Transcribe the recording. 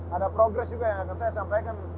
ada progres juga yang akan saya sampaikan